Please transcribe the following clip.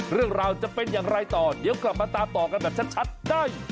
เรื่องราวจะเป็นอย่างไรต่อเดี๋ยวกลับมาตามต่อกันแบบชัดได้